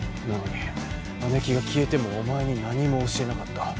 なのに姉貴が消えてもおまえに何も教えなかった。